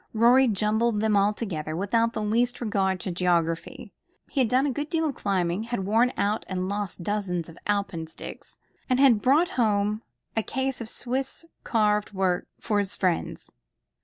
Rorie jumbled them all together, without the least regard to geography. He had done a good deal of climbing, had worn out and lost dozens of alpenstocks, and had brought home a case of Swiss carved work for his friends.